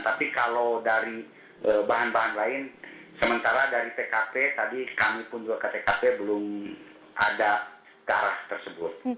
tapi kalau dari bahan bahan lain sementara dari tkp tadi kami pun juga ke tkp belum ada ke arah tersebut